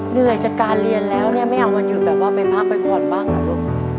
เหนื่อยจากการเรียนแล้วแม่เอาวันหยุดแบบว่าไปพักไปฝนบ้างนะลูก